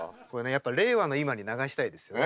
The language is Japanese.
やっぱ令和の今に流したいですよね。